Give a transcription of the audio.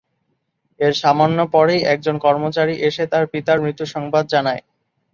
এর সামান্য পরেই একজন কর্মচারী এসে তার পিতার মৃত্যুসংবাদ জানায়।